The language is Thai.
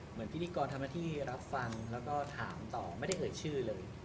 เหมือนพิธีกรธรรมไทรรับฟังลองถามต่อไม่ได้เกิดชื่อเลย